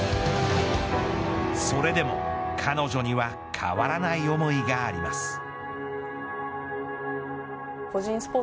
それでも、彼女には変わらない思いがあります。